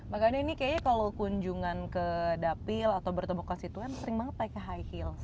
makanya ini kayaknya kalau kunjungan ke dapil atau bertemu konstituen sering banget pakai high heels